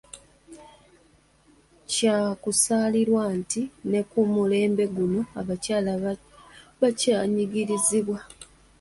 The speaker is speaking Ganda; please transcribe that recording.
Kya kusaalirwa nti ne ku mulembe guno abakyala bakyanyigirizibwa.